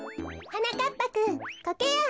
はなかっぱくんコケヤン。